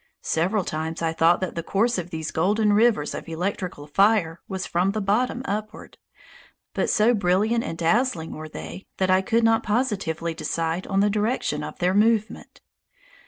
Several times I thought that the course of these golden rivers of electrical fire was from the bottom upward, but so brilliant and dazzling were they that I could not positively decide on the direction of their movement.